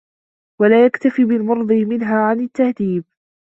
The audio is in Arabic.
وَلَا يَكْتَفِي بِالْمُرْضِي مِنْهَا عَنْ التَّهْذِيبِ